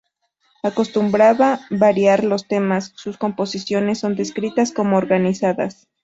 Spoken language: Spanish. Acostumbraba variar los temas, sus composiciones son descritas como organizadas.